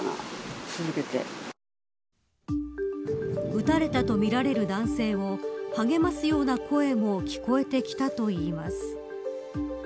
撃たれたとみられる男性を励ますような声も聞こえてきたといいます。